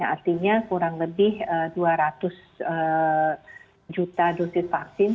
artinya kurang lebih dua ratus juta dosis vaksin